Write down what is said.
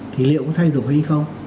thì liệu có thay đổi hay không